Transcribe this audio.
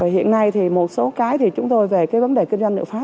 hiện nay thì một số cái thì chúng tôi về cái vấn đề kinh doanh tự phát